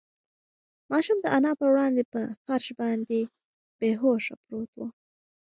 ماشوم د انا په وړاندې په فرش باندې بې هوښه پروت و.